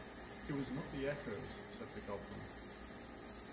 “It was not the echoes,” said the goblin.